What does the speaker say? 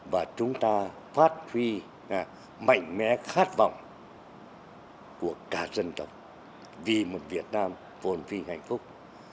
và chúng ta phát huy mạnh mẽ khát vọng của cả dân tộc vì một việt nam vốn vinh hạnh phúc